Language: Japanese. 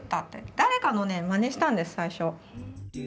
誰かのねまねしたんです最初。